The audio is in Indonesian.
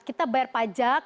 kita bayar pajak